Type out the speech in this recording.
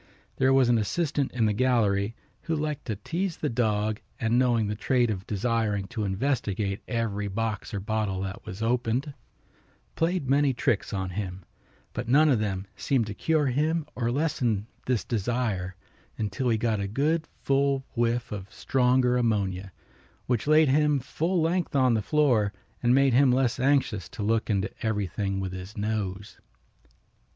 There was an assistant in the gallery who liked to tease the dog and knowing the trait of desiring to investigate every box or bottle that was opened, played many tricks on him, but none of them seemed to cure him or to lessen this desire until he got a good full whiff of stronger ammonia, which laid him full length on the floor and made him less anxious to look into everything with his nose.